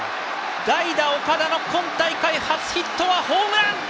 代打、岡田の今大会初ヒットはホームラン！